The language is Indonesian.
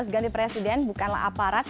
ganti presiden bukanlah aparat